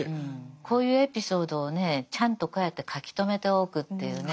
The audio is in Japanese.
こういうエピソードをねちゃんとこうやって書き留めておくっていうね